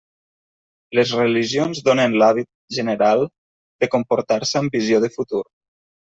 Les religions donen l'hàbit general de comportar-se amb visió de futur.